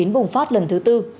bùng phát lần thứ bốn